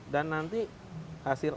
dan nanti hasil